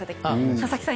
佐々木さん